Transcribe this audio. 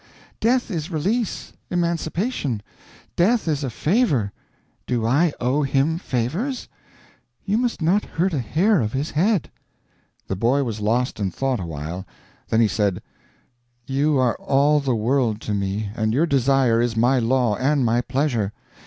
Death is release, emancipation; death is a favor. Do I owe him favors? You must not hurt a hair of his head." The boy was lost in thought awhile; then he said, "You are all the world to me, and your desire is my law and my pleasure.